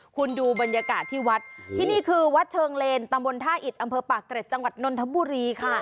คุณดูบรรยากาศที่วัดที่นี่คือวัดเชิงเลนตำบลท่าอิดอำเภอปากเกร็ดจังหวัดนนทบุรีค่ะ